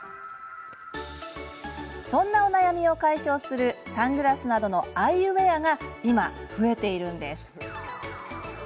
そんなお悩みを解消するサングラスなどのアイウエアが今、増えているんです。